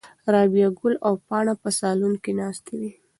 رابعه ګل او پاڼه په صالون کې ناستې دي.